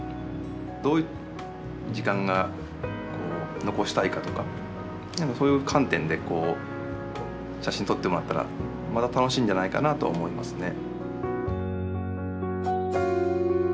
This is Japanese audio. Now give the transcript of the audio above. どういう時間が残したいかとかそういう観点で写真撮ってもらったらまた楽しいんじゃないかなとは思いますね。